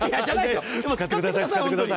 使ってください、本当に。